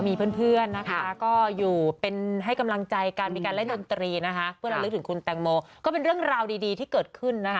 มีเพื่อนนะคะก็อยู่เป็นให้กำลังใจกันมีการเล่นดนตรีนะคะเพื่อระลึกถึงคุณแตงโมก็เป็นเรื่องราวดีที่เกิดขึ้นนะคะ